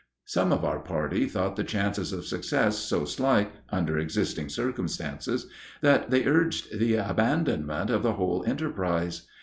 Some of our party thought the chances of success so slight, under existing circumstances, that they urged the abandonment of the whole enterprise.